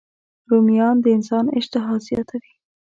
رومیان د انسان اشتها زیاتوي